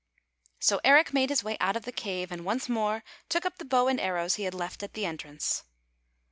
" So Eric made his way out of the cave and once more took up the bow and arrows he had left at the entrance.